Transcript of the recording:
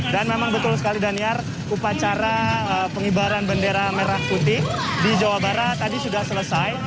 dan memang betul sekali daniar upacara pengibaran bendera merah putih di jawa barat tadi sudah selesai